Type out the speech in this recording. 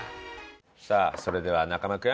さあそれでは中間君。